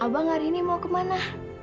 abang hari ini mau kemana